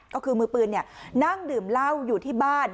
ก็คือมือปืนนั่งดื่มเหล้าอยู่ที่บ้าน